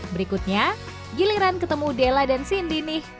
berikutnya giliran ketemu della dan cindy nih